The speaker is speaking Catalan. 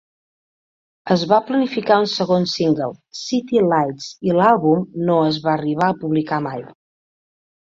Es va planificar un segon single, "City Lights", i l'àlbum no es va arribar a publicar mai.